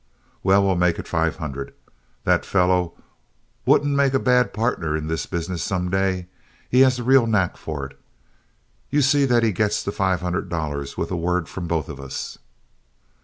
"Well, we'll make it five hundred. That fellow wouldn't make a bad partner in this business some day. He has the real knack for it. You see that he gets the five hundred dollars with a word from both of us."